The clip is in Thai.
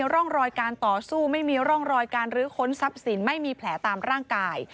ร่องรอยการต่อสู้ไม่มีร่องรอยการรื้อค้นทรัพย์สินไม่มีแผลตามร่างกาย